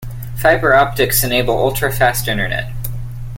Fibre optics enable ultra-fast internet.